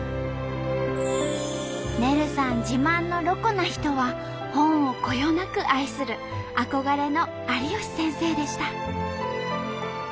ねるさん自慢のロコな人は本をこよなく愛する憧れの有吉先生でした。